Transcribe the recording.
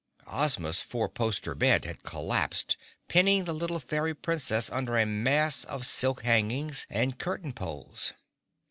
Ozma's four poster bed had collapsed, pinning the little Fairy Princess under a mass of silk hangings and curtain poles.